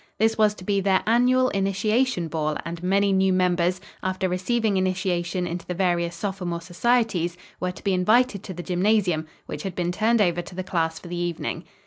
This was to be their annual Initiation Ball, and many new members, after receiving initiation into the various sophomore societies, were to be invited to the gymnasium, which had been turned over to the class for the evening.